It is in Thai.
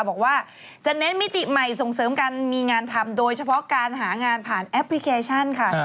บอกว่าจะเน้นมิติใหม่ส่งเสริมการมีงานทำโดยเฉพาะการหางานผ่านแอปพลิเคชันค่ะ